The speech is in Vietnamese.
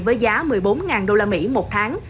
với giá một mươi bốn usd một tháng